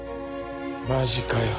マジかよ。